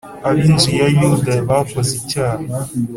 ab inzu ya Yuda bakoze icyaha